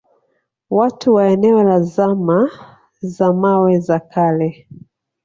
Watu wa eneo la zama za mawe za kale